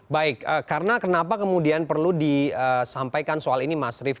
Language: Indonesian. baik karena kenapa kemudian perlu disampaikan soal ini mas rif